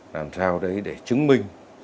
làm sao để chứng minh